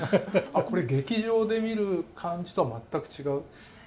「あっこれ劇場で見る感じとは全く違う」。